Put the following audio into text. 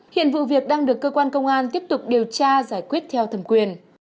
hiện vụ việc đang được cơ quan công an tiếp tục điều tra giải quyết theo thẩm quyền